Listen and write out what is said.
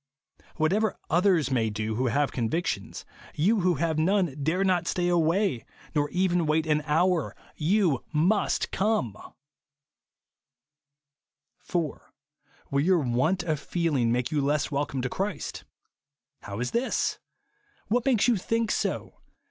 Whatever others may do who have convictions, you who have none dare not stay away, nor even wait an hour. Tou MUST come ! 4. Will your want of feeling make you less tvelcome to Christ ? How is this ? 156 INSENSIBILITY, What makes you think so